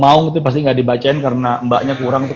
kalau mau pasti gak dibacain karena mbaknya kurang kok